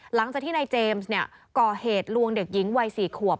หลังจากที่นายเจมส์ก่อเหตุลวงเด็กหญิงวัย๔ขวบ